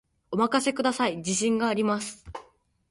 お任せください、自信があります